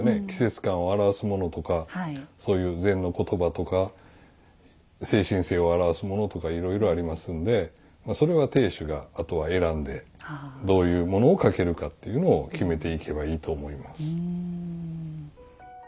季節感を表すものとかそういう禅の言葉とか精神性を表すものとかいろいろありますんでそれは亭主があとは選んでどういうものをかけるかっていうのを決めていけばいいと思います。